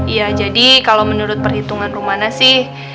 iya jadi kalau menurut perhitungan romana sih